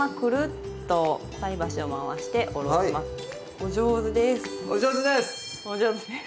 お上手です。